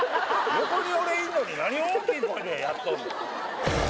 横に俺いんのに、何を大きい声でやっとんねん。